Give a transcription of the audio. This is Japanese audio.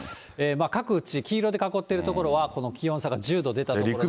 各地、黄色で囲っている所はこの気温差が１０度出た所なんですが。